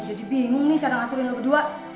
jadi bingung nih cara ngaturin lo berdua